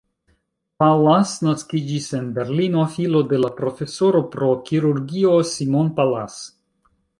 Pallas naskiĝis en Berlino, filo de la profesoro pro kirurgio Simon Pallas.